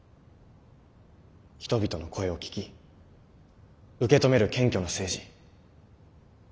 人々の声を聞き受け止める謙虚な政治。